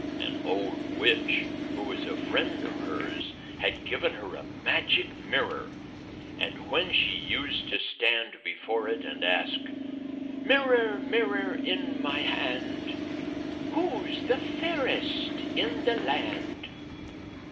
An old witch, who was a friend of hers, had given her a magic mirror; and when she used to stand before it and ask, "Mirror, mirror, in my hand, Who 's the fairest in the land?"